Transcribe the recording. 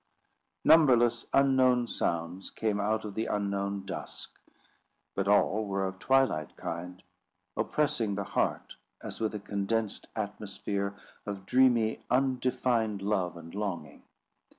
Numberless unknown sounds came out of the unknown dusk; but all were of twilight kind, oppressing the heart as with a condensed atmosphere of dreamy undefined love and longing.